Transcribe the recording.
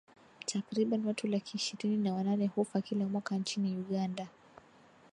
Takriban watu laki ishirini na wanane hufa kila mwaka nchini Uganda.